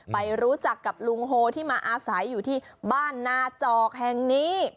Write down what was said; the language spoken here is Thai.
ไปรู้จักกับลุงโฮที่มาอาศัยอยู่ที่บ้านนาจอกแห่งนี้